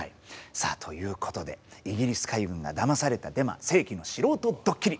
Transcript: さあということでイギリス海軍がだまされたデマ世紀のシロウトドッキリ！